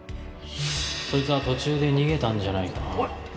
そいつは途中で逃げたんじゃないかな。